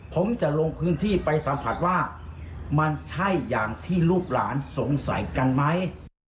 ผมจะลงพื้นที่ไปสัมผัสว่ามันใช่อย่างที่ลูกหลานสงสัยกันไหม